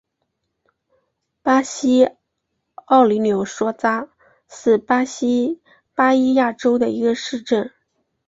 马西奥尼柳索扎是巴西巴伊亚州的一个市镇。